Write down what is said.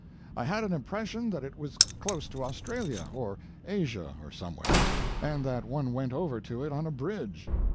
I had an impression that it was close to Australia, or Asia, or somewhere, and that one went over to it on a bridge.